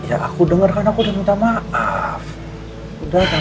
minta maaf ya aku denger kan aku udah minta maaf ya aku denger kan aku udah minta maaf